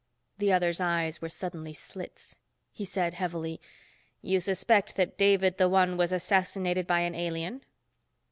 The other's eyes were suddenly slits. He said, heavily, "You suspect that David the One was assassinated by an alien?"